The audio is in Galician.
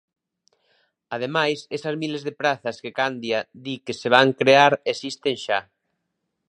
Ademais, esas miles de prazas que Candia di que se van crear existen xa.